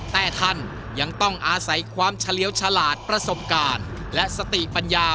แต่ท่านยังต้องอาศัยความเฉลียวฉลาดประสบการณ์และสติปัญญา